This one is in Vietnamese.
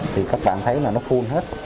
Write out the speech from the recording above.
thì các bạn thấy là nó full hết